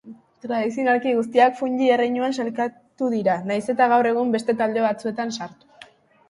Tradizionalki, guztiak Fungi erreinuan sailkatu dira, nahiz eta gaur egun beste talde batzuetan sartu.